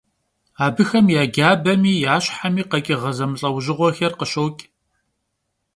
Abıxem ya cabemi ya şhemi kheç'ığe zemılh'eujığuexer khışoç'.